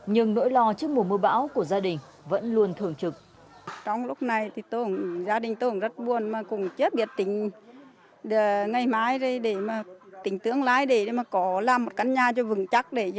nhưng nỗi lo trước mùa mưa bão của gia đình vẫn luôn thường trực